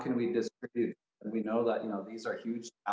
yang kita sedang mencoba untuk menjelaskannya